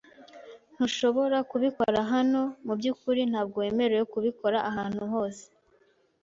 Ntushobora kubikora hano .Mubyukuri, ntabwo wemerewe kubikora ahantu hose .